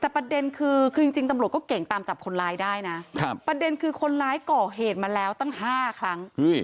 แต่ประเด็นคือจริงตำรวจก็เก่งตามจับคนร้ายได้นะประเด็นคือคนร้ายก่อเหตุมาแล้วตั้ง๕ครั้ง